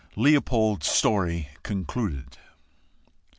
LEOPOLD'S STORY CONCLUDED.